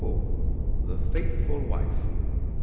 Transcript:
The faithful wife.